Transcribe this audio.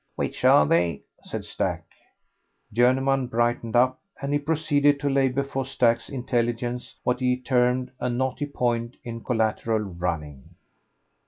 "Which are they?" said Stack. Journeyman brightened up, and he proceeded to lay before Stack's intelligence what he termed a "knotty point in collateral running."